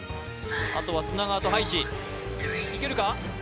あとは砂川と葉一いけるか？